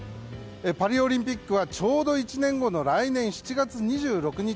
パリオリンピックはちょうど１年後の来年７月２６日